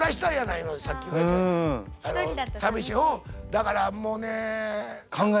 だからもうねえ。